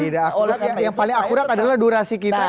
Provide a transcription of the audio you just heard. tidak akurat yang paling akurat adalah durasi kita